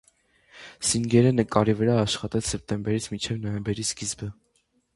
Սինգերը նկարի վրա աշխատեց սեպտեմբերից մինչև նոյեմբերի սկիզբը։